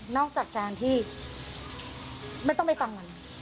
อกจากการที่ไม่ต้องไปฟังมัน